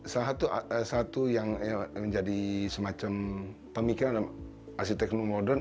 satu yang menjadi semacam pemikiran asetekno modern